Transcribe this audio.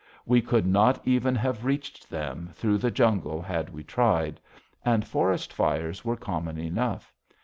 We could not even have reached them through the jungle had we tried. And forest fires were common enough.